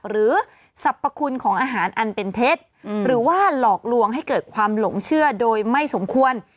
หรือสรรพคุณของอาหารอันเป็นเท็จหรือว่าหลอกลวงให้เกิดความหลงเชื่อโดยไม่สมควร